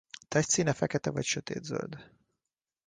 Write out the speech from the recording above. Testszíne fekete vagy sötétzöld.